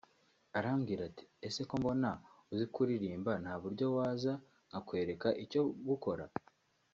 arambwira ati ‘ese ko mbona uzi kuririmba nta buryo waza nkakwereka icyo gukora